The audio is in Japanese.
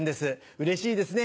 うれしいですね